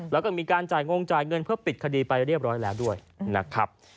แล้วก็มีการจ่ายงงจ่ายเงินเพื่อปิดคดีไปเรียบร้อยแล้วด้วยนะครับ